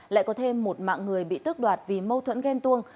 lại có thêm một mạng người bị tước đoạt vì mâu thuẫn ghen tuông